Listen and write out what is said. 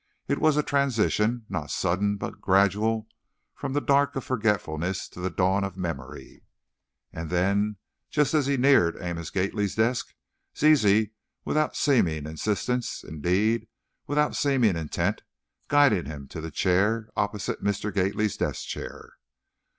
It was a transition, not sudden but gradual, from the dark of forgetfulness to the dawn of memory. And then, just as he neared Amos Gately's desk, Zizi, without seeming insistence, indeed, without seeming intent, guided him to the chair opposite Mr. Gately's desk chair.